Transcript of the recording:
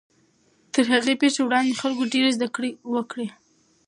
تر هغې پیښې وړاندې خلکو ډېرې زدهکړې کړې وې.